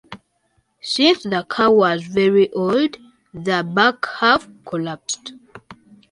Since the car was very old, the back half collapsed.